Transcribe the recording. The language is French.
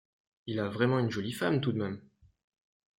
Il a vraiment une jolie femme tout de même !